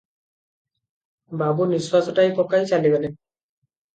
ବାବୁ ନିଶ୍ୱାସଟାଏ ପକାଇ ଚାଲିଗଲେ ।